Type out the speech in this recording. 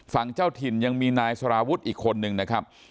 เจ้าถิ่นยังมีนายสารวุฒิอีกคนนึงนะครับ